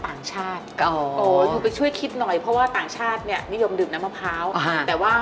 ต้องให้ปะจี๊อะอันนี้จะเป็นนวัตกรรมในการเปิดมะพร้าวเนอะ